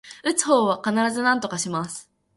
打つ方は必ずなんとかします